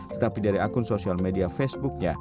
tetapi dari akun sosial media facebooknya